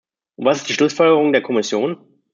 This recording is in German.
Und was ist die Schlussfolgerung der Kommission?